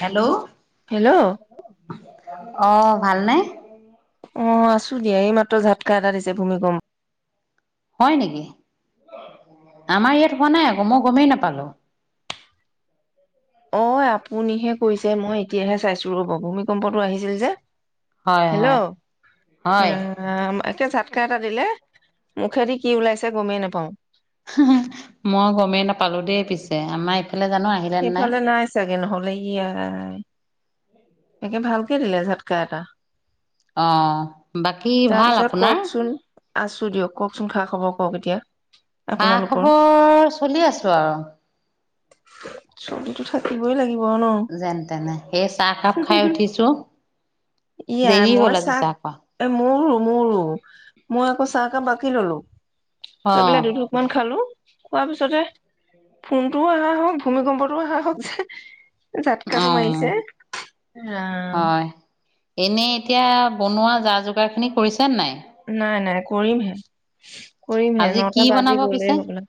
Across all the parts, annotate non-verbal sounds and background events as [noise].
Hello hello আহ ভাল নে। অ আছো দিয়া এই মাত্ৰ ঝাতকা এটা দিছে ভূমিকম্প। হয় নেকি আমাৰ ইয়াত হোৱা নাই আকৌ মই গমেই নাপালো। অ আপুনিহে কৈছে মই এতিয়াহে চাইছো ৰব ভূমিকম্পটো আহিছিল যে। হয় হেল্ল হয় হয় এতিয়া ঝাতকা এটা দিলে মুখেদি কি ওলাইছে গমেই নাপাওঁ মই গমেই নাপালো দেই পিছে আমাৰ ইফালে জানো আহিলে সেইফালে নাই চাগে নহলে ইয়াই একে ভালকে দিলে ঝাটকা এটা আহ বাকী ভাল তাৰপিছত আপোনাৰ কওকচোন আছো দিয়ক কওকচোন খা খবৰ কওক এতিয়া খা আপোনালোকৰ খবৰ চলি আছো আৰু ছবিটো থাকিবই লাগিব ন যেনে তেনে হে চা একাপ খাই উঠিছোঁ ইয়াই মই চাক এ মোৰ ৰু মোৰ ৰু মই আকৌ চাহকাহ বাকি ললো অ ৰৈ পেলাই দুটোক মান খালো কোৱাৰ পিছতে ফোনটো ও অহা হল ভূমিকম্পটোও অহা হওক যে অ জাতকাটো মাৰিছে ৰাম হয় এনেই এতিয়া বনোৱা যা যোগাৰ খিনি কৰিছে নে নাই নাই নাই কৰিমহে কৰিমহে আজি কি নটা বনাব বাজি গলেই পিছে হ'ল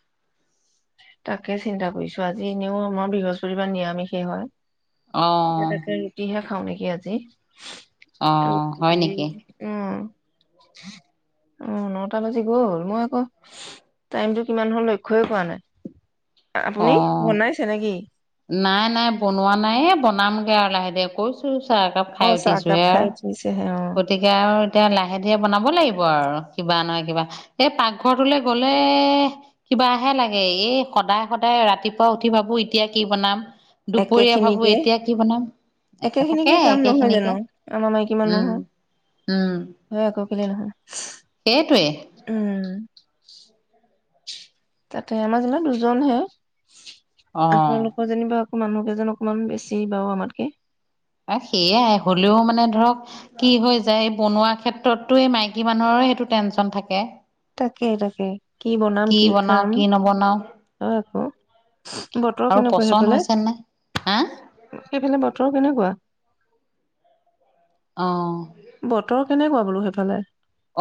তাকে চিন্তা কৰিছো আজি যেনেও আমাৰ বৃহস্পতিবাৰ নিৰামিষেই হয় এয়া অ তাকে ৰুটিহে খাওঁ নেকি কি আজি অ হয় নেকি উম অ নটা বাজি গ'ল মই আকৌ টাইমতটো কিমান হল লক্ষ্যই কৰা নাই আপুনি বনাইছে নেকি নাই-নাই বনোৱা নাই বনামগে আৰু লাহে-লাহে কৈছো, চাহ একাপ অ খাই চাহকাপ উঠিছোহে খাই আৰু উঠিছেহে অ গতিকে আৰু এতিয়া লাহে ধীৰে বনাব লাগিব আৰু কিবা নহয় কিবা এই পাকঘৰটোলৈ গলে কিবাহে লাগে এই সদায়-সদায় ৰাতিপুৱা উঠি ভাবো এতিয়া কি বনাম। একে দুপৰীয়া ভাবো খিনিকে এতিয়া কি বনাম একে থাকে খিনিকে কাম জানো একেইখিনিকে। আমাৰ মাইকী নহয় হয় আকৌ কেলে নহয়। সেইটোৱে। উম তাতে আমাৰ যেনিবা দুজনহে। অ আপোনলোকৰ যেনিবা মানুহকেইজন অকমান বেছি বাৰু আমাতকে, অ' সেয়াই হলেও মানে ধৰক কি হৈ যায়, এই বনোৱা ক্ষেত্ৰততো এই মাইকী মানুহৰে সেইটো টেনচন থাকে। তাকে-তাকে কি বনাম কি বনাও খাম। কি নবনাও অ' আকৌ বতৰ আৰু কেনেকুৱা পচন্দ সেইফালে হৈছে নাই হা সেইফালে বতৰ কেনে? কেনে কুৱোৱা? অ বতৰ কেনেকুৱা? বোলো সেইফালে?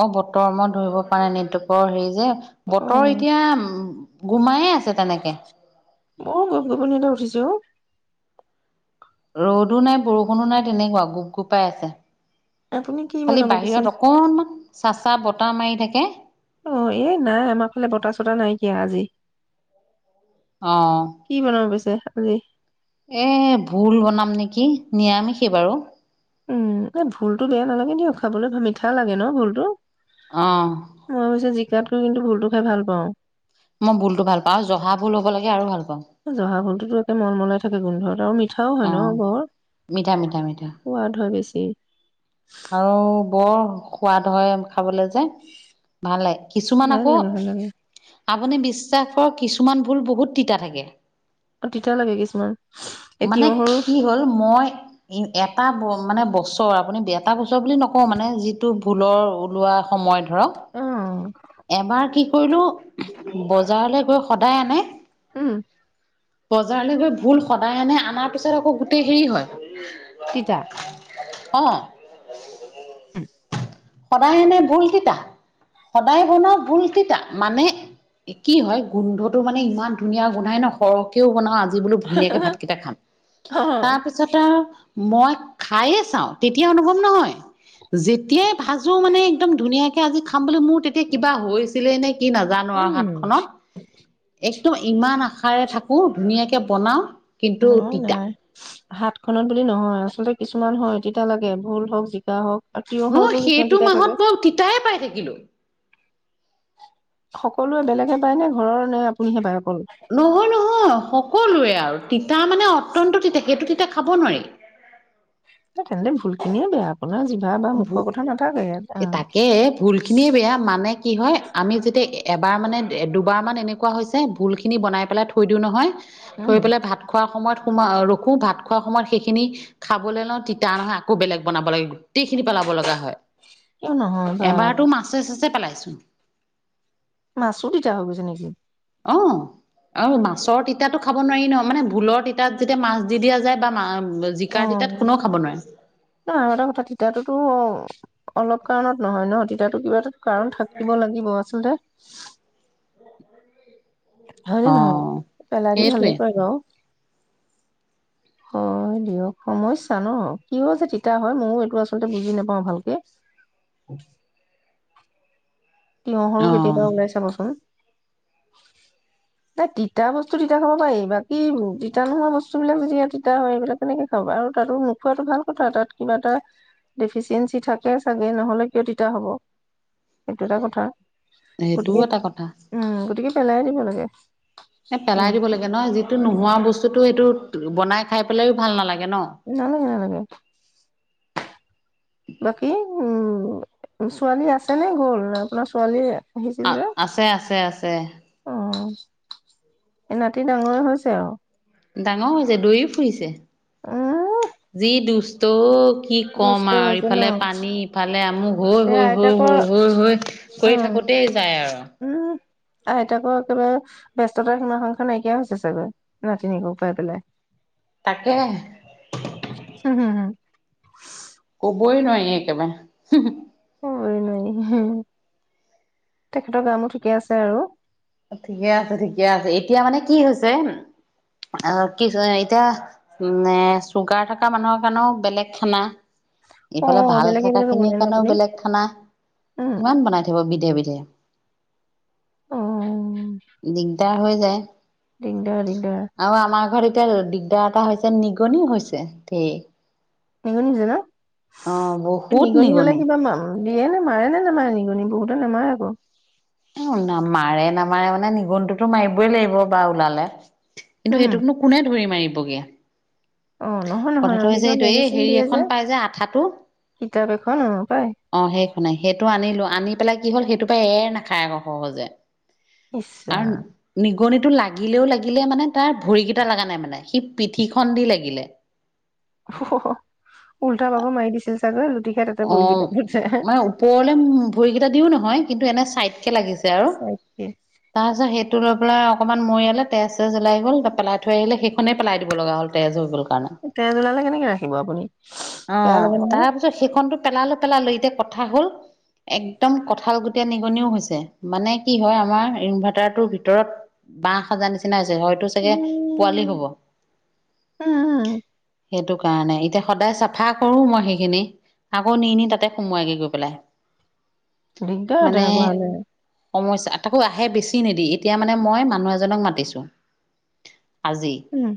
অ' বতৰ মই ধৰিব পৰা নাই নেটৱৰ্কৰ হেৰি যে। অ বতৰ এতিয়া উম, গোমাইে আছে। তেনেকে, মই গোপ-গোপনি এটা উঠিছে ও। ৰ'দো নাই বৰষুণো নাই তেনেকুৱা গোপ-গোপাই আছে। আপুনি কি খালি বনাব পিছে বাহিৰত অকনমান চেঁচা বতাহ হ মাৰি থাকে। অ' এ নাই আমাৰ ফালে বতাহ চতাহ নাইকিয়া আজি। অ কি বনাব পিছে? আজি? এ ভুল বনাম নেকি নিয়ামিষি বাৰু। উম, এ ভুলতো বেয়া নালাগে দিয় খাবলৈ মিঠা লাগে ন ভুলতো। অ' অৱশ্যে জিকাটোত কৈ কিন্তু ভুলটো খাই ভাল পাওঁ। মই ভুলতো ভাল পাওঁ আৰু জহা ভুল হ'ব লাগে আৰু ভাল পাওঁ জহা ভুলটো মলমলাই থাক গোধ আৰু। পিঠাও অ হয় ন ঘৰ মিঠা মিঠা মিঠা সোৱাদ হয় বেছি। উ [unintelligible] আৰু বৰ সোৱাদ হয় খাবলৈ যে ভাল লাগে কিছুমান ভাল আকৌ লাগে ভাল লাগে আপুনি বিশ্বাস কৰক কিছুমান ভুল বহুত তিতা থাকে অ তিতা লাগে কিছুমান এই মানে তিয়হৰো কি হ'ল মই এটা বস্ত মানে বছৰ আপুনি বেয়া তাৰ পাছৰ বুলি নকওঁ মানে যিটো ভুলৰ ওলোৱা সময়ত অ ধৰ এবাৰ কি কৰিলো বজাৰলৈ গৈ সদায় আনে উম বজাৰলৈ গৈ ভুল সদায় আনে আনাৰ পিছত আকৌ গোটেই হেৰি হয় তিতা অ [unintelligible] [unintelligible] সদায় এনে ভুল তিতা' সদায় বনাও ভুল তিতা মানে কি হয় গোন্ধটো মানে ইমান ধুনীয়া গোন্ধাই ন সৰহকেও বনাওঁ আজ জি বোলো ধুনীয়াকে ভাতকেইটা খাম অ তাপিছতে আও মই খাইয়ে চাওঁ তে তেতিয়া অনুভৱ নহয় যেতিয়াই ভাজো মানে একদম ধুনীয়াকে আজি খাম বুলি মোৰ তেতিয়া কিবা হৈছিলে নে কি নাজানো আও উম হাতখনত এক ত ইমান আশাৰে থাকো ধুনীয়াকে বনাও। কিন্তু নহয় তিতা নাই হাতখনত বুলি নহয় আচলতে কিছুমান হয়, তেতিয়া লাগে ভুল হওক জিকা হওক। আৰু মই তিয়হৰতো কিছুমান সেইটো তিতা মাহত থাকে। মই তিতাই পাই থাকিলো। সকলোৱে বেলেগে পায় নে ঘৰৰ নে আপুনিহে পায় অকল নহয় নহয় সকলোৱে আও তিতা মানে অত্যন্ত তিতা সেইটো তিতা খাব নোৱাৰি। তেন্তে ভুলখিনিয়ে বেয়া আপোনাৰ জিভা বা ভু মুখৰ কথা নাথাকে ইয়াত, তাকে ভুল আহ খিনিয়ে বেয়া মানে কি হয় আমি যেতিয়া এবাৰ মানে দুবাৰমান এনেকুৱা হৈছে ভুলখিনি বনাই পেলাই থৈ দিওঁ নহয়। উম থৈ পেলাই ভাত খোৱাৰ সময়ত ৰখো ভাত খোৱা সময়ত সেইখিনি খাবলৈ লওঁ তিতা নহয় আকৌ বেলেগ বনাব লাগে। গোটেইখিনি পেলাব লগা হয়, কিয় নহয় বা এবাৰতো মাছে চাছে পেলাই। ছো মাছো তিতা হৈ গৈছে নেকি? অ আৰু মাছৰ তিতা টো খাব নোৱাৰি ন মানে ভুলৰ তিতাত যেতিয়া মাছ দি দিয়া যায়। বা মা অ আৰু এটা কথা তিতাটোত অলপ কাৰণত নহয় নহ তিতাটো কিবাত কাৰণ থাকিব লাগিব আচলতে [unintelligible] হয়নে অ নহয় পেলাই দি সেইটোৱে ভালেই কয় বাও হয় দিয়ক সমম্যা ন কিয় যে তিতা হয় মইও এইটো আচলতে বুজি নাপাও ভালকে তিঁয়হৰো অ কেতিয়াবা ওলাই চাবচোন এ তিতা বস্তু তিতা খাব পাৰি বাকি তিতা নোহোৱা বস্তুবিলাক যদি তিতা হয় এইবিলাক কেনে কৈ খাব আৰু কথা তাত কিবা এটা ডেফিচিয়েঞ্চি থাকে চাগে নহ'লে কিয় তিতা হ'ব। এইটো এটা কথা। সেইটোও গতিকে এটা কথা উম গতিকে পেলাই দিব লাগে এ পেলাই উম দিব লাগে ন যিটো উম নোহোৱা বস্তুতটো সেইটো বনাই খাই পেলাইও ভাল নালাগে ন নালাগে‌ নালাগে বাকী উম ছোৱালী আছে নে গ'ল আপোনাৰ ছোৱালীয়ে আ আছে আছে আছে অ এ নাতি ডাঙৰে হৈছে আৰু ডাঙৰ হৈছে দৈ ফুৰিছে উম যি দুষ্ট তো কি ক'ম দুষ্ট আৰু হৈছে ন ইফালে পানী ইফালে আমুক হৈ তে হৈ হৈ আইতাকৰ হৈ হৈ হৈ অ কৰি থাকোতেই যায় আৰু উম আইতাকৰ একিবা ব্যস্ততাৰ সীমা সংখ্যা নাইকিয়া হৈছে চাগৈ নাতিনিয়েক পাই পেলাই তাকে হে হুম হুম হুম হে একেবাৰে সু ওম সম তেখেতৰ গা মূৰ ঠিকে আছে আৰু ঠিকে আছে ঠিকে আছে এতিয়া মানে কি হৈছে কি এতিয়া উ চুগাৰ থকা মানুহৰ কাৰণেও বেলেগ খানা অ এইফালে ভাল বেলেগে থকা বেলেগে বনাই খিনিৰ ন কাৰণেও আপুনি বেলেগ খানা উম কিমান বনাই থব বিধে বিধি ক অ দিগদাৰ হৈ যে দিগদাৰ‌ দিগদাৰ এতিয়া দিগদাৰ এটা হৈছে নিগনিও হৈছে তে নিগনি হৈ চে ন এই নিগনি হলে কিবা দিয়ে নে মাৰে নে নেমাৰে নিগনি বহুতে নেমাই আকৌ ন মাৰে নামাৰে মানে নিগুনীটোতো মাৰিবই লাগিব বা ওলালে কিন্তু উম সেইটোকনো কোনে ধৰি মাৰিব বগে অ নহয় নহয় নহয় কিছুমান মেডিচিন হেৰি দিয়ে এখন যে পাই আঠাটো কিতাপ এখনপাই মানে সেইটো আনিলো আনি পেলাই কি হ'ল সেইটো পৰা এৰ নাখায় আকৌ সহজে ইছৰাম ঘগনিটো লাগিলেও লাগিলে মানে তাৰ ভৰিকেইটা লগা নাই মানে সি পিঠিখন দি লাগিলে উল্টা বাবৰ মাৰি দিছিল চাগৈ খাই তাতে অ পৰিল কিতাপতে মানে ওপৰলে ভৰিকেইটা দিও নহয় কিন্তু এনে ছাইড একে লাগিছে আৰু তাকে তাৰপিছত সেই টো লৈ পেলাই অকণমান মৰিয়ালে তেজ তেজ ওলাই গল পেলাই থৈ আহিলে সেইখনেই পেলাই দিব লগা হ'ল তেজ হৈ গ'ল কাৰণে। তেজ ওলালে কেনেকে ৰাখিব আপুনি বেয়া লাগে নহয়। খন টো পেলালো পেলালো এতিয়া কথা হল একদম কঠাল গুটীয়া নিগনিও হৈছে মানে কি হয় আমাৰ ইনভাৰ্টাৰটোৰ ভিতৰত বাহ সাজাৰ নিচিনা হৈ ছে হয়তো চাগে পোৱালি উম হ'ব উম সেইটো কাৰণে এতিয়া সদায় চাফা কৰো মই সেইখিনি আকৌ নি নি তাতে সোমোৱাকে গৈ পেলাই দিগদাৰ তেনেকুৱা মানে হলে সমস্যা তাকো আহে বেছি নিদি এতিয়া মানে মই মানুহ এজনক মাতিছোঁ আজি উম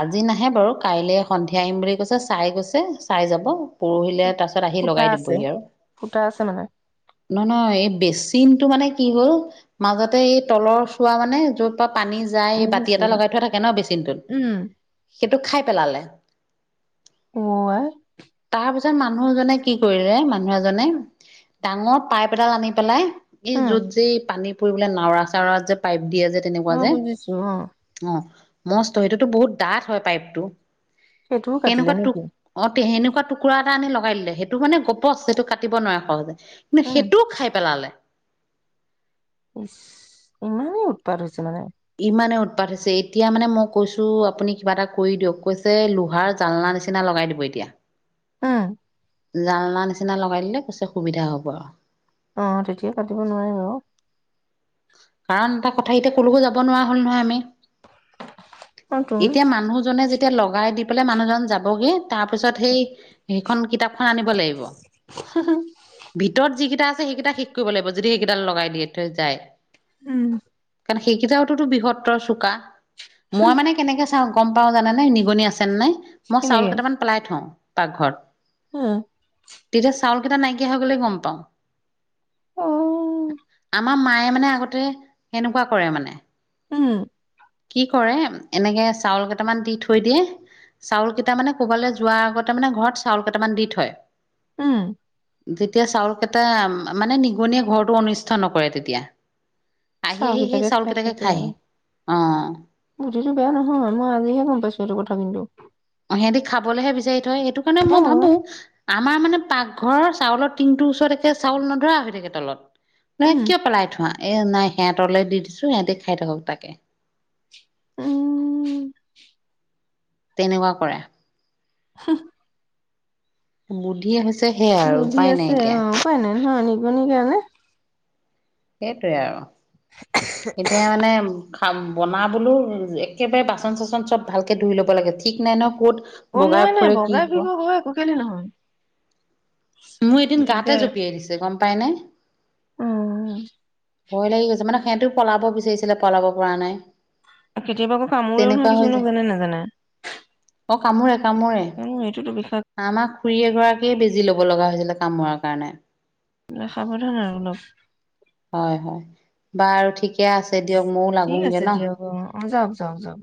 আজি নাহে বাৰু কাইলে সন্ধিয়া আহিম বুলি কৈছে চাই গৈছে চাই যাব পৰহিলে তাৰপিছত আহি ফুতা লগাই আছে দিবহি আৰু ফুতা আছে মানে নহয় নহয় এই বেচিনটো মানে কি হ'ল মাজতে এই তলৰ চোৱা মানে যৰপৰা পানী যায় বাতি বুজিছো এটা লগাই থোৱা থাকে ন উম বেচিনটোত সেইটোক খাই পেলালে অ আই তাৰ পিছত মানুহজনে কি কৰিলে মানুহ এজনে ডাঙৰ পাইপ এডাল আনি পেলাই এই উম যত যে পানী পৰিবলে নাৱৰাচাৰত যে পাইপ দিয়ে যে অ তেনেকুৱা যে বুজিছো অ অ মস্ত সেইটোতো বহুত ডাঠ হয় পাইপটো সেইটোও কাটিলে নেকি সেনেকোৱাটোক কুকুৰা এটা আনি লগাই দিলে সেইটো মানে গপচ সেইটো কাটিব নোৱাৰে সহজে কিন্তু উম সেইটোও খাই পেলালে ইচ ইমানেই উৎপাত হৈছে মানে ইমানে উৎপাত হৈছে এতিয়া মানে মই কৈছো আপুনি কিবা এটা কৰি দিয়ক কৈছে লোহাৰ জালনা নিচিনা লগাই দিব এতিয়া হম জালনা নিচিনা লগাই দিলে পিছে সুবিধা হ'ব আহ তেতিয়াই কাতিব নোৱাৰিব কাৰণ এটা কথা এতিয়া কলোকো যাব নোৱাৰা হ'ল নহয় আমি এতিয়া মানুহজনে যেতিয়া তিয়া লগাই দি পেলাই মানুহজন যাবগে তাৰ পিছত সেই সেইখন কিতাপখন আনিব লাগিব। ভিতৰত যি কেইটা আছে সেইকেইটা শেষ কৰিব লাগিব যদি সেইকেইডাল লগাই দিয়ে থৈ যায় উম কাৰণ সেইকেইতাটো টো বৃহত্তৰ চোকা মই মানে কেনেকে চাও গম পাও জানে নাই নিগনি আছেনেে নাই মই চাউল কেইটামান পেলাই থওঁ পাকঘৰত মম [unintelligible] তেতিয়া চাউল কেইটা নাইকিয়া হৈ গ'লে গম পাওঁ অহ আমাৰ মায়ে মানে আগতে সেনেকুৱা কৰে মানে উম কি কৰে এনেকে চাউল কেইটামান দি থৈ দিয়ে চাউল কেইটা মানে শুবলৈ যোৱাৰ আগতে মানে ঘৰত চাউল কেইটামান দি থয় উম যেতিয়া চাউল কেইটা মানে নিগনিয়ে ঘৰটো অনিষ্ট নকৰে তেতিয়া আহি আহি সেই চাউলকিতাকে খায় সি বুদ্ধি টো বেয়া নহয় মই আজিহে গম পাইছো এইটো কথা কিন্তু সিহঁতি খাবলেহে বিচাৰি থয় সেইটো কাৰণে অ মই ভাবো আমাৰ মানে পাকঘৰৰ চাউলৰ টিংটোৰ ওচৰতে চাউল নধৰা হৈ থাকে তলত বোলে উম কিয় পেলাই থোৱা এ নাই সিহঁতলৈ দি দিছো সিহঁতে খাই থাকক তাকে উ [inaudible] তেনেকুৱা কৰে হোম [inaudible] বুদ্ধিয়ে হৈছে সেয়াই আৰু বুদ্ধি উপায় নাই আছে এতিয়া অ উপাই নাই নহয় মণিকা নে সেইটোৱে আৰু এতিয়া মানে খা, বনাবলৈও একেবাৰে বাচন চচন চব ভালকৈ ধুই ল'ব লাগে, ঠিক নাই নয় ক'ত অ বগাই নাই নাই ফুৰে কি বগাই হব ফুৰে হয় কেলেনো নহয়। মোৰ এদিন গাতে জঁপিয়াই দিছে, গম পাই পায়নে। অ-অ-অ ভয় লাগি গৈছে মানে, সিহঁতেও পলাব বিচাৰিছিলে পলাব পৰা নাই কেতিয়াবা আকৌ কামোৰেও নহয় তেনেকুৱা হৈ যায় কিছুমানক জানে নোজানে? অ কামুৰে, এক কামোৰে, আমাক খুৰি এগৰাকীয়ে বেজি লয় য লগা হৈছিলে কাম মৰাৰ কাৰণে। লে সাৱধান আৰু অলপ। হয় হয় বা আৰু ঠিক একয়া আছে দিয়ক ময়ও ঠিক লাগোংগে আছে ন দিয়ক অ অ, যাওক যাওক যাওক